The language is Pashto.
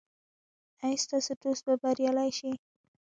ایا ستاسو دوست به بریالی شي؟